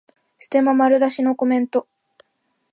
ステマ丸出しのコメント